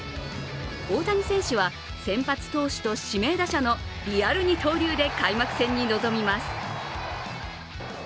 大谷選手は、先発投手と指名打者のリアル二刀流で開幕戦に臨みます。